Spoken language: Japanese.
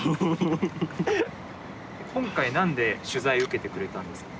今回何で取材受けてくれたんですか？